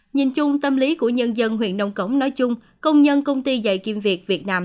nhìn chung tâm lý của nhân dân huyện nông cống nói chung công nhân công ty dạy kim việt việt nam